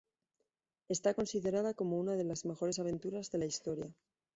Está considerada como una de las mejores aventuras de la historia.